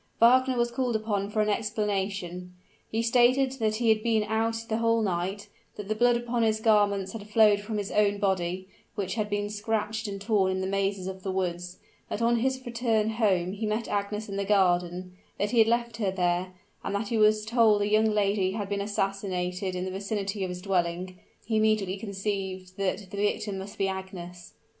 Wagner was called upon for an explanation. He stated that he had been out the whole night; that the blood upon his garments had flowed from his own body, which had been scratched and torn in the mazes of the woods; that on his return home he met Agnes in the garden; that he had left her there; and that he was told a young lady had been assassinated in the vicinity of his dwelling, he immediately conceived that the victim must be Agnes.